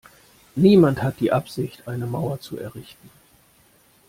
Niemand hat die Absicht, eine Mauer zu errichten.